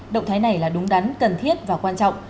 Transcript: động thái này là đúng đắn cần thiết và quan trọng